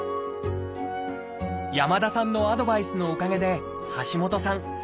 山田さんのアドバイスのおかげで橋下さん